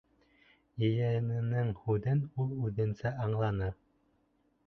Ейәненең һүҙен ул үҙенсә аңланы.